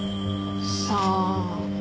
さあ。